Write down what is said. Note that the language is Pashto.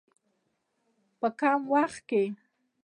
په کم وخت کې.